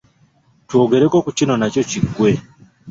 Twogereko ku kino nakyo kiggwe.